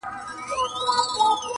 چي هر ځای به یو قاتل وو دی یې یار وو.!